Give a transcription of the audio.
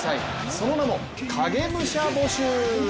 その名も影武者募集。